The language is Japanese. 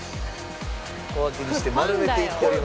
小分けにして丸めていっております。